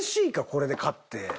これで勝って。